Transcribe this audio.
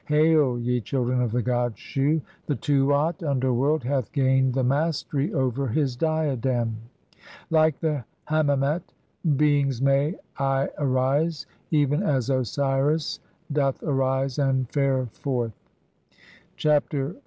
Hail, ye children of "the god Shu! The Tuat (underworld) hath gained the mastery "over his diadem. 1 Like the Hammemet 2 beings may I arise, "even as Osiris doth arise and fare forth." Chapter XLVII.